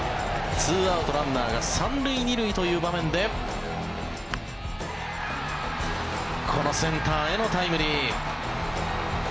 ２アウトランナーが３塁２塁という場面でこのセンターへのタイムリー。